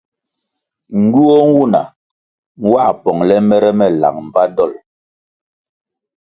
Ngywuoh nwuna nwā pongʼle mere me lang mbpa dolʼ.